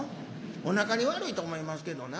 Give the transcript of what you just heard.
おなかに悪いと思いますけどな。